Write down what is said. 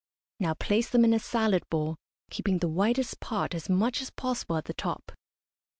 Now place them in a salad bowl, keeping the whitest part as much as possible at the top.